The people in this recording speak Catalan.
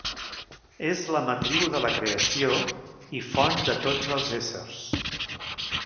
És la matriu de la creació i font de tots els éssers.